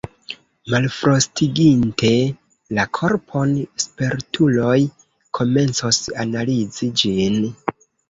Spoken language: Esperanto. Malfrostiginte la korpon, spertuloj komencos analizi ĝin.